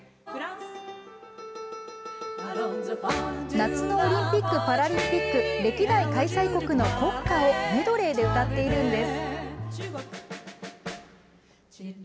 夏のオリンピック・パラリンピック歴代開催国の国歌をメドレーで歌っているんです。